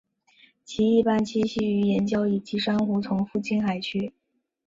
其一般栖息于岩礁以及珊瑚丛附近海区。